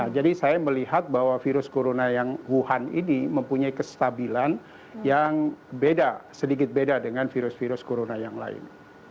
jadi saya melihat bahwa virus corona yang wuhan ini mempunyai kestabilan yang beda sedikit beda dengan virus virus corona yang lain